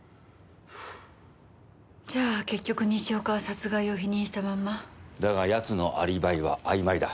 じゃあ結局西岡は殺害を否認したまんま？だが奴のアリバイはあいまいだ。